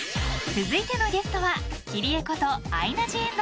［続いてのゲストは］